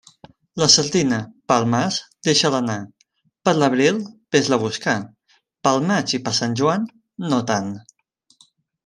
La sardina, pel març, deixa-la anar; per l'abril, vés-la a buscar; pel maig i per Sant Joan, no tant.